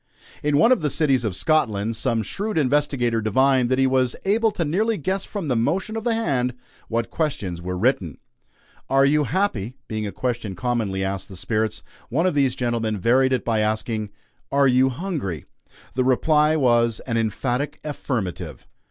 In one of the cities of Scotland, some shrewd investigator divined that he was able to nearly guess from the motion of the hand what questions were written. "Are you happy?" being a question commonly asked the "spirits," one of these gentlemen varied it by asking: "Are you hungry?" The reply was, an emphatic affirmative.